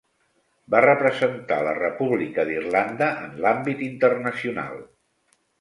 Va representar la República d'Irlanda en l'àmbit internacional.